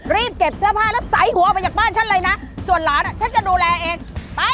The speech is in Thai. รีบเก็บเสื้อผ้าแล้วใส่หัวออกไปจากบ้านฉันเลยนะส่วนหลานอ่ะฉันจะดูแลเองไป